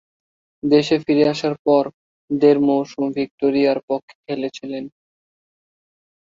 দেশে ফিরে আসার পর দেড় মৌসুম ভিক্টোরিয়ার পক্ষে খেলেছিলেন।